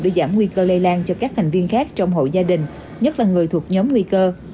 để giảm nguy cơ lây lan cho các thành viên khác trong hội gia đình nhất là người thuộc nhóm nguy cơ